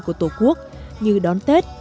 của tổ quốc như đón tết